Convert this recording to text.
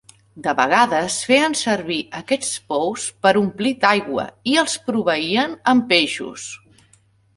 De vegades feien servir aquests pous per omplir d'aigua i els proveïen amb peixos.